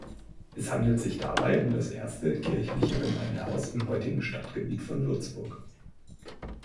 Es handelt sich dabei um das erste kirchliche Gemeindehaus im heutigen Stadtgebiet von Würzburg.